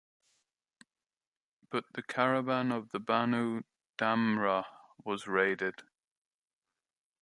But the caravan of the Banu Damrah was raided.